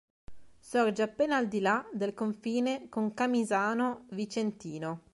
Sorge appena al di là del confine con Camisano Vicentino.